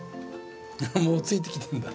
もうついてきてるんだ。